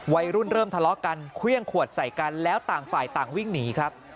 วัยรุ่นเริ่มทะเลาะกันเครื่องขวดใส่กันแล้วต่างฝ่ายต่างวิ่งหนีครับ